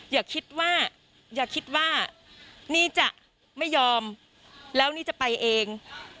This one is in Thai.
อย่าคิดว่าอย่าคิดว่านี่จะไม่ยอมแล้วนี่จะไปเอง